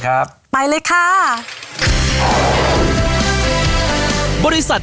ขอบคุณครับ